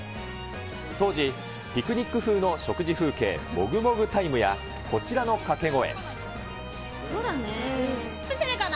当時、ピクニック風の食事風景、もぐもぐタイムや、こちらの掛け声。